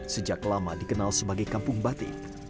sejak lama dikenal sebagai kampung batik